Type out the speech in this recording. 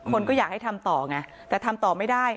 คนก็อยากให้ทำต่อไงแต่ทำต่อไม่ได้